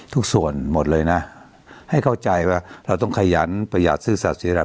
ทุกส่วนหมดเลยนะให้เข้าใจว่าเราต้องขยันประหยาดซื้อศาสตร์ศิรา